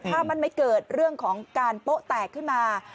ถ้ามันไม่เกิดเรื่องของการโป๊ะแตกขึ้นมา